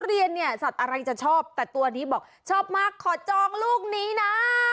เรียนเนี่ยสัตว์อะไรจะชอบแต่ตัวนี้บอกชอบมากขอจองลูกนี้นะ